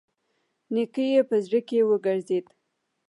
نيکه يې په زړه کې وګرځېد.